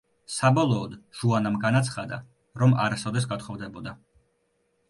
საბოლოოდ, ჟუანამ განაცხადა, რომ არასოდეს გათხოვდებოდა.